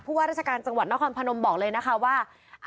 ว่าราชการจังหวัดนครพนมบอกเลยนะคะว่า